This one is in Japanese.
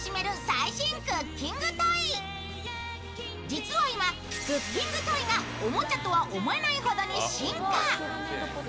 実は今、クッキングトイがおもちゃとは思えないほど進化。